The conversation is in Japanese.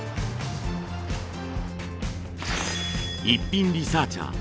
イッピンリサーチャー